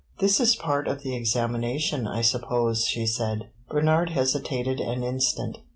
"This is part of the examination, I suppose," she said. Bernard hesitated an instant.